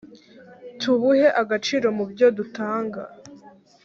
tubuhe agaciro mu byo dutanga